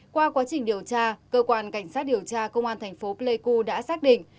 qua quá trình điều tra cơ quan cảnh sát điều tra công an tp playcu đã xác định